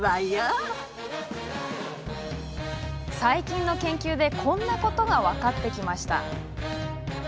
最近の研究でこんなことが分かってきました。